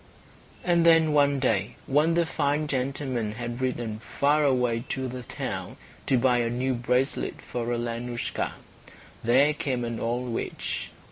And then one day, when the fine gentleman had ridden far away to the town to buy a new bracelet for Alenoushka, there came an old witch.